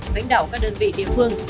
đánh đảo các đơn vị địa phương